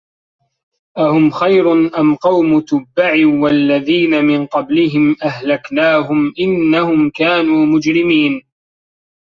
أَهُم خَيرٌ أَم قَومُ تُبَّعٍ وَالَّذينَ مِن قَبلِهِم أَهلَكناهُم إِنَّهُم كانوا مُجرِمينَ